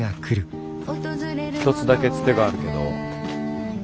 一つだけつてがあるけど。